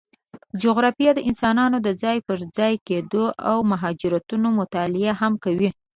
جغرافیه د انسانانو د ځای پر ځای کېدو او مهاجرتونو مطالعه هم کوي.